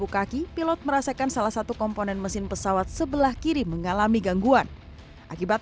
kaki pilot merasakan salah satu komponen mesin pesawat sebelah kiri mengalami gangguan akibat